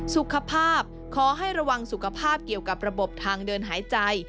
สุขภาพขอให้ระวังสุขภาพเกี่ยวกับระบบทางเดินหายใจ